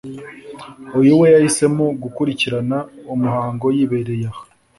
uyu we yahisemo gukurikirana umuhango yibereye aha